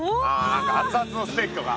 何か熱々のステーキとか。